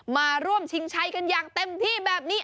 มาร่วมชิงชัยกันอย่างเต็มที่แบบนี้